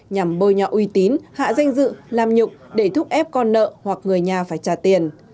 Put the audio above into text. nhằm bôi nhọ uy tín hạ danh dự làm nhục để thúc ép con nợ hoặc người nhà phải trả tiền